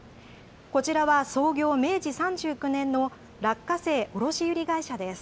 こちらは創業明治３９年の落花生卸売会社です。